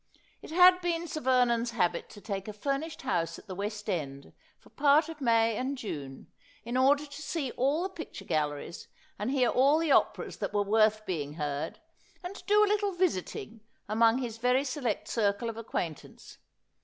It had been Sir Vernon's habit to take a furnished house at the West End for part of May and June, in order to see all the picture galleries, and hear all the operas that were worth being heard, and to do a little visiting among his very select circle of acquaintance.